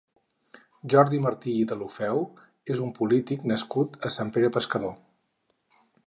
Jordi Martí i Deulofeu és un polític nascut a Sant Pere Pescador.